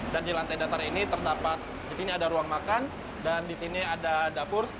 dan di lantai datar ini terdapat disini ada ruang makan dan disini ada dapur